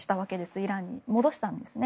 イランに戻したんですね。